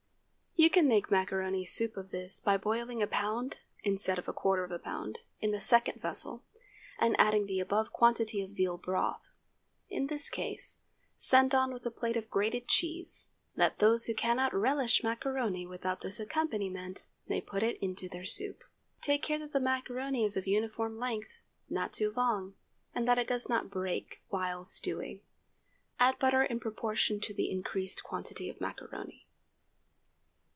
You can make macaroni soup of this by boiling a pound, instead of a quarter of a pound, in the second vessel, and adding the above quantity of veal broth. In this case, send on with it a plate of grated cheese, that those who cannot relish macaroni without this accompaniment may put it into their soup. Take care that the macaroni is of uniform length, not too long, and that it does not break while stewing. Add butter in proportion to the increased quantity of macaroni.